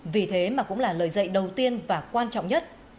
vì thế mà cũng là lời dạy đầu tiên và quan trọng nhất